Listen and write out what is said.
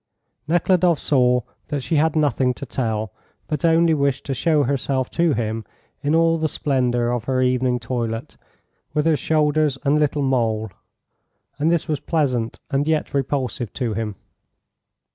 Nekhludoff saw that she had nothing to tell, but only wished to show herself to him in all the splendour of her evening toilet, with her shoulders and little mole; and this was pleasant and yet repulsive to him.